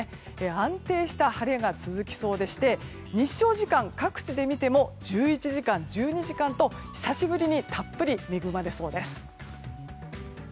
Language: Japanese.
安定した晴れが続きそうでして日照時間、各地で見ても１１時間、１２時間と久しぶりにたっぷり恵まれそうです。